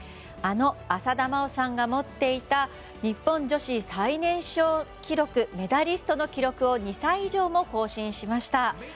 あの浅田真央さんが持っていた日本女子最年少記録メダリストの記録を２歳以上も更新しました。